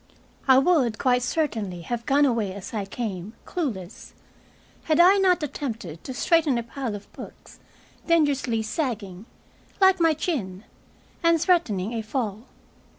I would, quite certainly, have gone away as I came, clueless, had I not attempted to straighten a pile of books, dangerously sagging like my chin! and threatening a fall.